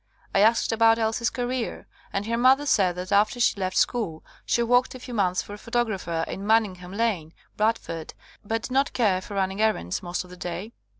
I asked about Elsie's ca reer, and her mother said that after she left school she worked a few months for a pho tographer in Manningham Lane, Bradford, but did not care for running errands most of the day.